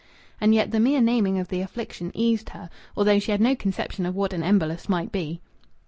And yet the mere naming of the affliction eased her, although she had no conception of what an embolus might be.